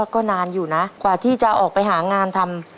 ก็นานอยู่นะกว่าที่จะออกไปหางานทำ